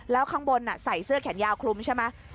แล้วข้างบนใส่เสื้อแขนยาวคลุมใช่ไหม